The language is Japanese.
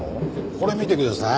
これ見てください。